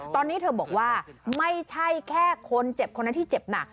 ตอนนี้เธอบอกว่าไม่ใช่แค่คนเจ็บคนนั้นที่เจ็บหนัก